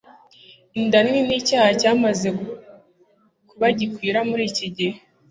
inda nini ni icyaha cyamaze kuba gikwira muri iki gihe